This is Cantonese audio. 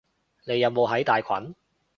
你有冇喺大群？